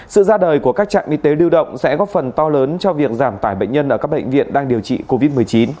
sự ra đời của các trạm y tế lưu động sẽ góp phần to lớn cho việc giảm tải bệnh nhân ở các bệnh viện đang điều trị covid một mươi chín